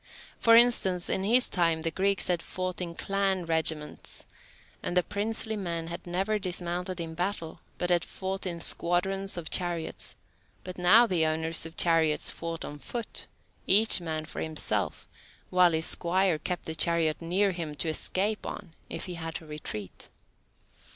For instance, in his time the Greeks had fought in clan regiments, and the princely men had never dismounted in battle, but had fought in squadrons of chariots, but now the owners of chariots fought on foot, each man for himself, while his squire kept the chariot near him to escape on if he had to retreat.